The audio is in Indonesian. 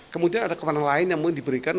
kemudian ada kewenangan lain yang mungkin diberikan